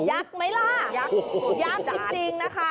ยักษ์ไหมล่ะยักษ์จริงนะคะ